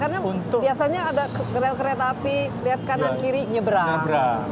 karena biasanya ada kereta api lihat kanan kiri nyebrang